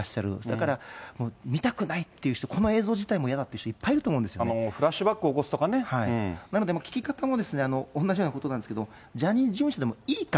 だから、見たくないっていう人、この映像自体もやだっていう人、フラッシュバックを起こすとなので聞き方も、同じようなことなんですけど、ジャニーズ事務所でもいいか？